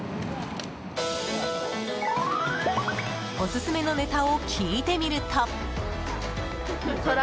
オススメのネタを聞いてみると。